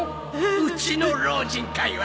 うちの老人会は。